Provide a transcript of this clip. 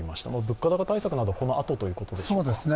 物価高対策などはこのあとということでしょうか。